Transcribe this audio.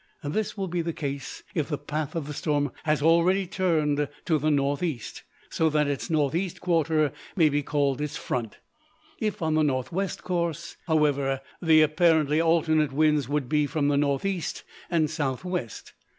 This will be the case if the path of the storm has already turned to the northeast, so that its northeast quarter may be called its front. If on the northwest course, however, the apparently alternate winds would be from the northeast and southwest.